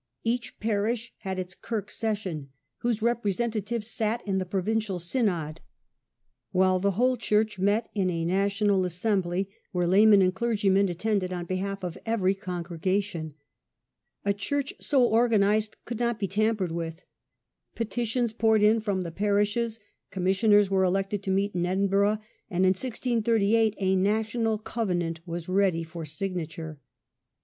^^^* Each parish had its "kirk session", whose representatives sat in the Provincial Synod; while the whole church met in a National Assembly, where laymen and clergymen attended on behalf of every congregation. A church so organized could not be tampered with. Petitions poured in from the parishes, commissioners were elected to meet in Edinburgh, and in 1638 a National Covenant was ready for signature.